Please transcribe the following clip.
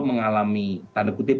mengalami tanda kutip